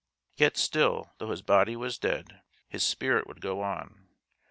Yet still, though his body was dead, his spirit would go on.